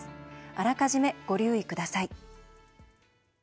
あらかじめ、ご留意ください。